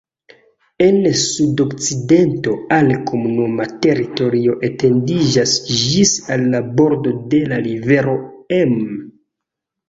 En sudokcidento al komunuma teritorio etendiĝas ĝis al la bordo de la rivero Emme.